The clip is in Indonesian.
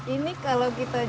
ini kalau kita jual